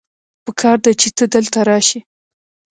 پکار دی چې ته دلته راشې